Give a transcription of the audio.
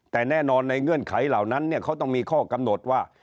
แต่แน่นอนในเงื่อนไขเหล่านั้นเขาต้องมีข้อกำหนดว่า